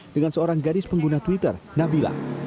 dengan seorang gadis pengguna twitter nabila